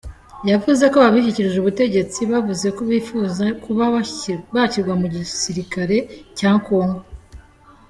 Yavuze ko aba bishyikirije ubutegetsi bavuze ko bifuza kuba bashyirwa mu gisirikare cya Kongo.